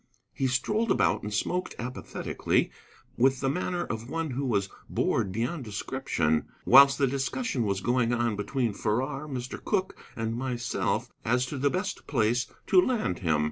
He strolled about and smoked apathetically, with the manner of one who was bored beyond description, whilst the discussion was going on between Farrar, Mr. Cooke, and myself as to the best place to land him.